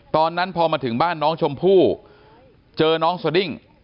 ตอนนั้นพอมาถึงบ้านน้องชมพู่เจอน้องสดิ้ง